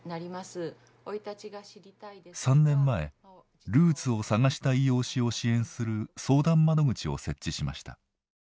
３年前ルーツを探したい養子を支援する相談窓口を設置しました。